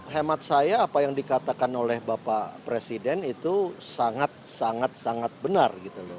hemat saya apa yang dikatakan oleh bapak presiden itu sangat sangat benar gitu loh